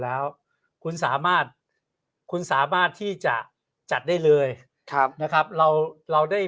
แล้วคุณสามารถคุณสามารถที่จะจัดได้เลยครับนะครับเราเราได้